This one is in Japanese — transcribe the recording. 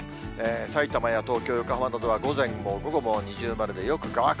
さいたまや東京、横浜などは午前も午後も二重丸でよく乾く。